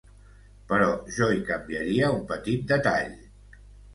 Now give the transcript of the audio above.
Però jo hi canviaria un petit detall.